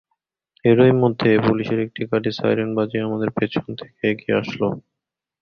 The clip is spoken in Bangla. এরই মধ্যে পুলিশের একটি গাড়ি সাইরেন বাজিয়ে আমাদের পেছন থেকে এগিয়ে আসল।